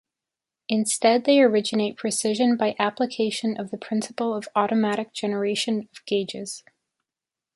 Instead they originate precision by application of the principle of "automatic generation of gages".